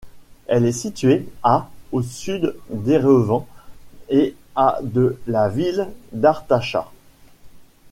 Elle est située à au sud d'Erevan et à de la ville d'Artachat.